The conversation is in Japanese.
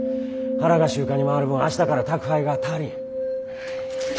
原が集荷に回る分明日から宅配が足りん。